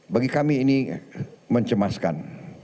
bagi kami ini mencemaskan